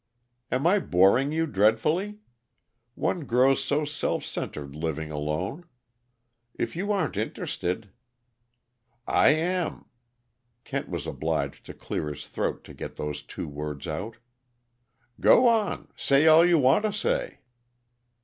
"Am I boring you dreadfully? One grows so self centered living alone. If you aren't interested " "I am." Kent was obliged to clear his throat to get those two words out. "Go on. Say all you want to say."